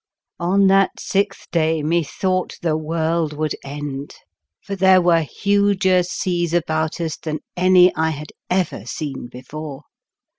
On that sixth day methought the world would end, for there were huger seas about us than any I had ever seen before.